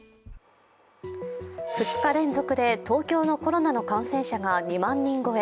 ２日連続で東京のコロナの感染者が２万人超え。